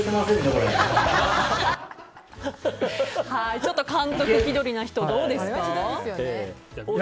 ちょっと監督気取りな人どうですか？